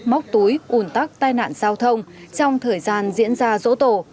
móc túi ùn tắc tai nạn giao thông trong thời gian diễn ra sổ tổ